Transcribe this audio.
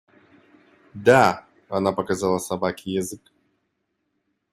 Да! – Она показала собаке язык.